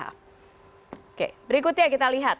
oke berikutnya kita lihat